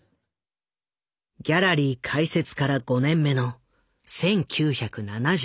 ギャラリー開設から５年目の１９７１年